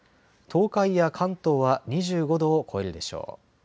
東海や関東は２５度を超えるでしょう。